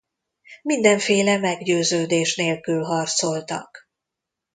Mindenféle meggyőződés nélkül harcoltak.